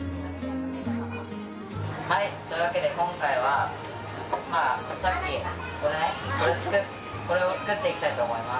はいというわけで今回はまあさっきこれねこれを作っていきたいと思います。